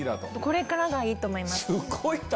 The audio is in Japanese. これからがいいと思います。